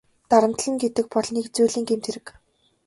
Дарамтална гэдэг бол нэгэн зүйлийн гэмт хэрэг.